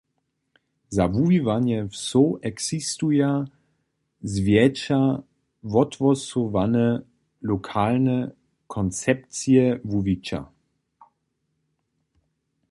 Za wuwiwanje wsow eksistuja zwjetša wothłosowane lokalne koncepcije wuwića.